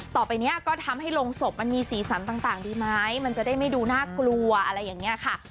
ต่อไปนี้ก็ทำให้โรงศพมันมีสีสันต่างดีไหมมันจะได้ไม่ดูน่ากลัวอะไรอย่างนี้ค่ะ